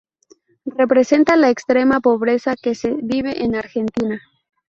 Representa la extrema pobreza que se vive en Argentina.